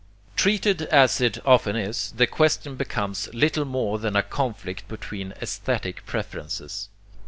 Treated as it often is, this question becomes little more than a conflict between aesthetic preferences.